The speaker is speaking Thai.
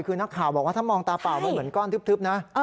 คือนักข่าวบอกว่าถ้ามองตาเปล่ามันเหมือนก้อนทึบนะ